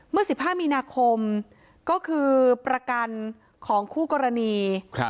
เมื่อ๑๕มีนาคมก็คือประกันของคู่กรณี